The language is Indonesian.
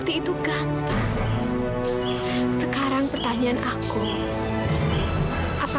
ibu yang nakal ya